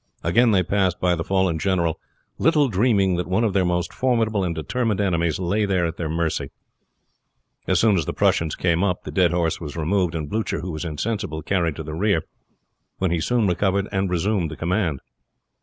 Again they passed by the fallen general, little dreaming that one of their most formidable and determined enemies lay there at their mercy. As soon as the Prussians came up the dead horse was moved, and Blucher, who was insensible, carried to the rear, when he soon recovered and resumed the command.